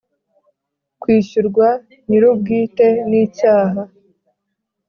kwishyurwa nyir ubwite nicyaha